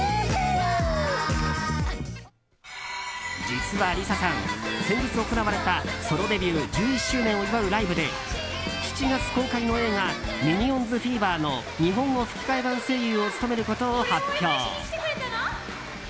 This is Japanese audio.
実はＬｉＳＡさん、先日行われたソロデビュー１１周年を祝うライブで７月公開の映画「ミニオンズフィーバー」の日本語吹き替え版声優を務めることを発表。